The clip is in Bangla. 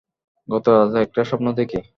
গত রাতে একটা স্বপ্ন দেখি।